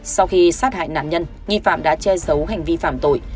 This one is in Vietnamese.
sau khi sát hại nạn nhân nghi phạm đã che giấu hành vi phạm tội